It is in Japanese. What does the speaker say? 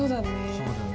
そうだよね。